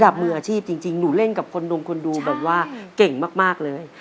มืออาชีพจริงหนูเล่นกับคนดงคนดูแบบว่าเก่งมากเลย